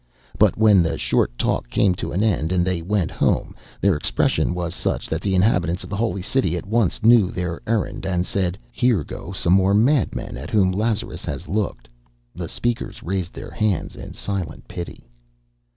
But when the short talk came to an end and they went home, their expression was such that the inhabitants of the Holy City at once knew their errand and said: "Here go some more madmen at whom Lazarus has looked." The speakers raised their hands in silent pity.